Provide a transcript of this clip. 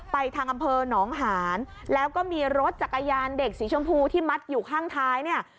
ทางอำเภอหนองหานแล้วก็มีรถจักรยานเด็กสีชมพูที่มัดอยู่ข้างท้ายเนี่ย